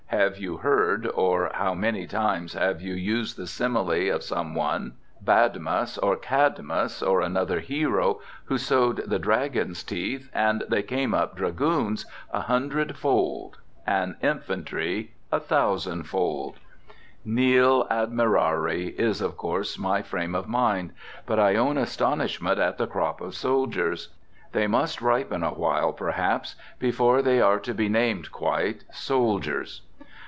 Have you heard or how many times have you used the simile of some one, Bad muss or Cadmus, or another hero, who sowed the dragon's teeth, and they came up dragoons a hundred fold and infantry a thousand fold? Nil admirari is, of course, my frame of mind; but I own astonishment at the crop of soldiers. They must ripen awhile, perhaps, before they are to be named quite soldiers.